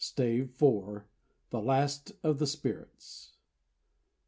STAVE FOUR. THE LAST OF THE SPIRITS.